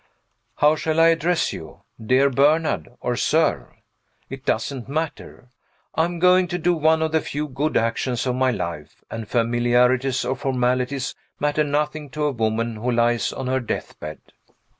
How shall I address you? Dear Bernard, or Sir? It doesn't matter. I am going to do one of the few good actions of my life: and familiarities or formalities matter nothing to a woman who lies on her deathbed.